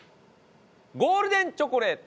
ゴールデンチョコレート